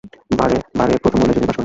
বারে প্রথম মহিলা হিসেবে তিনি পাস করেন।